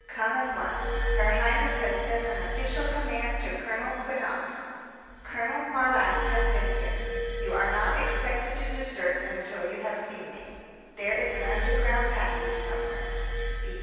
Come at once. Her highness has sent an official command to Colonel Quinnox. Count Marlanx has been here. You are not expected to desert until you have seen me. There is an underground passage somewhere.